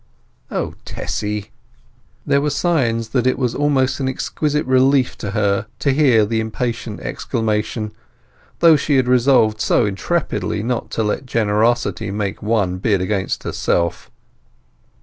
"O, Tessy!" There were signs that it was an exquisite relief to her to hear the impatient exclamation, though she had resolved so intrepidly to let generosity make one bid against herself.